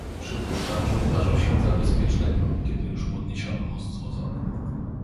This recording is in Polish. "Przypuszczam, że uważał się za bezpiecznego, kiedy już podniesiono most zwodzony."